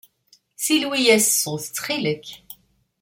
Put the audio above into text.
Silwi-yas ṣṣut, ttxil-k.